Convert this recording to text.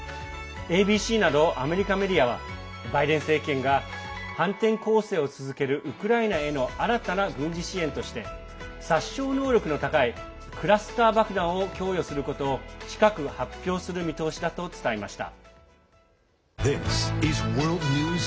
ＡＢＣなどアメリカメディアはウクライナが反転攻勢を続けるウクライナへの新たな軍事支援として殺傷能力の高いクラスター爆弾を供与することを近く発表する見通しだと伝えました。